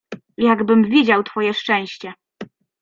"Jakbym widział twoje szczęście."